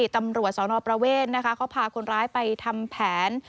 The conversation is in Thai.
ตำรวจสนประเวทเขาพาคนร้ายไปทำแผน